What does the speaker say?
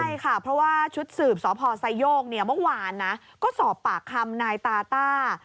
ใช่ค่ะเพราะว่าชุดสืบสพไซโยกเนี่ยเมื่อวานนะก็สอบปากคำนายตาต้า